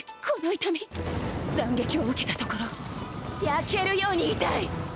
この痛み斬撃を受けたところ焼けるように痛い